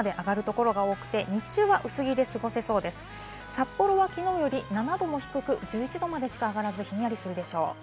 札幌はきのうより７℃も低く、１１度までしか上がらず、ひんやりするでしょう。